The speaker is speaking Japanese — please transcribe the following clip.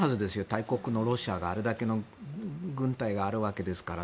大国のロシアはあれだけの軍隊があるわけですから。